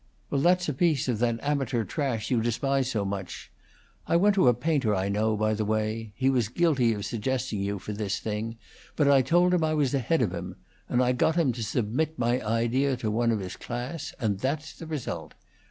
"Well, that's a piece of that amateur trash you despise so much. I went to a painter I know by the way, he was guilty of suggesting you for this thing, but I told him I was ahead of him and I got him to submit my idea to one of his class, and that's the result.